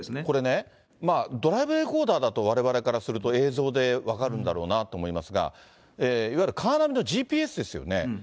これね、ドライブレコーダーだと、われわれからすると映像で分かるんだろうなと思いますが、いわゆるカーナビのＧＰＳですよね。